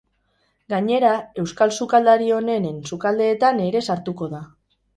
Gainera, euskal sukaldari onenen sukaldeetan ere sartuko da.